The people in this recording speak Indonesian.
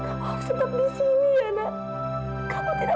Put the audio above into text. kalau mama percaya sama milla